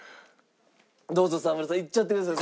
どうぞ沢村さんいっちゃってください。